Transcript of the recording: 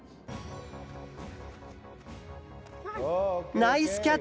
ナイスキャッチ！